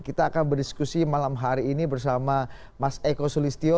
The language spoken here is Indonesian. kita akan berdiskusi malam hari ini bersama mas eko sulistyo